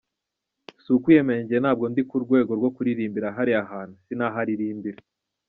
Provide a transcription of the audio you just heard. Si ukwiyemera njye ntabwo ndi ku rwego rwo kuririmbira hariya hantu sinaharirimbira.